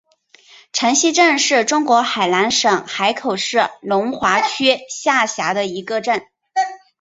城西镇是中国海南省海口市龙华区下辖的一个镇。